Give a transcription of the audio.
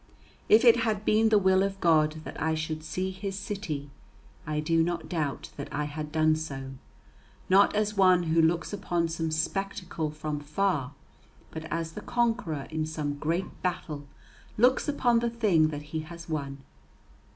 If it had been the will of God that I should see His city, I do not doubt that I had done so, not as one who looks upon some spectacle from far, but as the conqueror in some great battle looks upon the thing that he has won.